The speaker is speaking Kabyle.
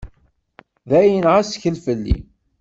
D ayen, ɣas ttkel fell-i.